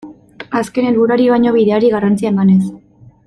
Azken helburuari baino bideari garrantzia emanez.